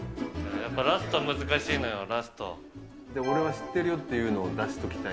やっぱ、ラスト、難しいのよ、で、俺は知ってるよっていうのを出しときたい。